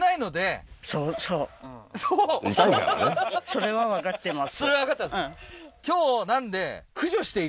それは分かってます？